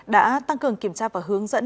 đã tăng cường kiểm tra và hướng dẫn